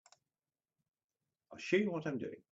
I'll show you what I'm doing.